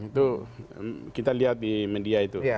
itu kita lihat di media itu